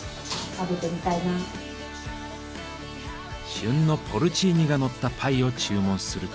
旬のポルチーニがのったパイを注文すると。